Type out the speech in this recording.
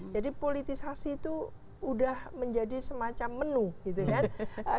jadi politisasi itu sudah menjadi semacam menu gitu kan